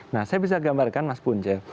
nah saya bisa gambarkan mas punca